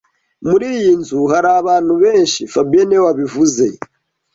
Muri iyi nzu hari abantu benshi fabien niwe wabivuze